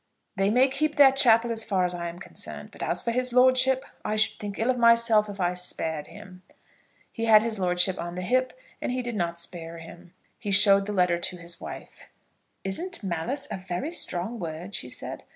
They may keep their chapel as far as I am concerned. But as for his lordship, I should think ill of myself if I spared him." He had his lordship on the hip, and he did not spare him. He showed the letter to his wife. "Isn't malice a very strong word?" she said.